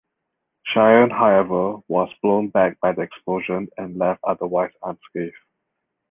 Shion, however, was blown back by the explosion and left otherwise unscathed.